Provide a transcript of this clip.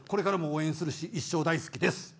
これからも応援するし一生大好きです。